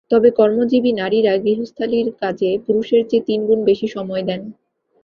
তবে কর্মজীবী নারীরা গৃহস্থালির কাজে পুরুষের চেয়ে তিন গুণ বেশি সময় দেন।